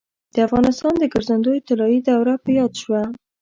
د افغانستان د ګرځندوی طلایي دوره په یاد شوه.